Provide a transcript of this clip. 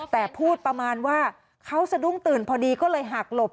แต่พูดประมาณว่าเขาสะดุ้งตื่นพอดีก็เลยหักหลบ